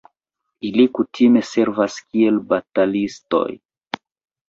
Ili kutime servas kiel batalistoj.